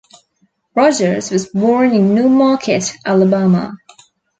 Rogers was born in New Market, Alabama.